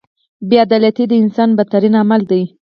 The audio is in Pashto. • بې عدالتي د انسان بدترین عمل دی.